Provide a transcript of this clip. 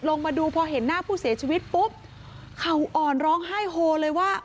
ลงมาดูพอเห็นหน้าผู้เสียชีวิตปุ๊บเขาอ่อนร้องไห้โฮเลยว่า